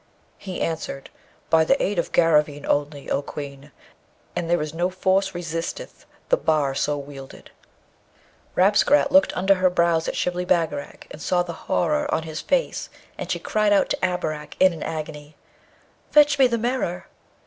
He answered, 'By the aid of Garraveen only, O Queen! and there is no force resisteth the bar so wielded.' Rabesqurat looked under her brows at Shibli Bagarag and saw the horror on his face, and she cried out to Abarak in an agony, 'Fetch me the mirror!'